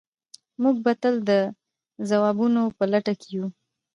موږ به تل د ځوابونو په لټه کې یو.